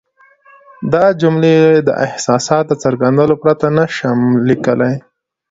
دا جملې د احساساتو د څرګندولو پرته نه شم لیکلای.